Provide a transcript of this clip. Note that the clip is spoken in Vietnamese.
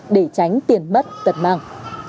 để tránh tiền mất tật mạng